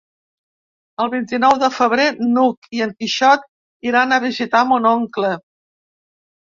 El vint-i-nou de febrer n'Hug i en Quixot iran a visitar mon oncle.